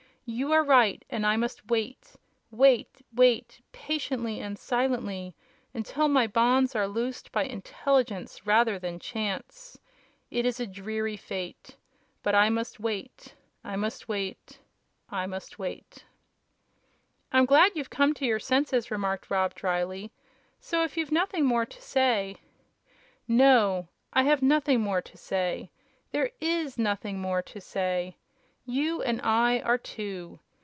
"You are right, and I must wait wait wait patiently and silently until my bonds are loosed by intelligence rather than chance! It is a dreary fate. But I must wait I must wait I must wait!" "I'm glad you've come to your senses," remarked Rob, drily. "So, if you've nothing more to say " "No! I have nothing more to say. There IS nothing more to say. You and I are two.